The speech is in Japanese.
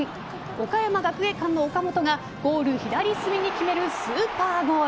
岡山学芸館の岡本がゴール左隅に決めるスーパーゴール。